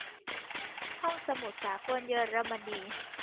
ห้องสมุดสากลเยอรมันใหม่